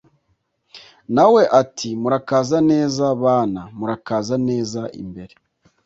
nawe ati murakaza neza bana! murakaza neza imbere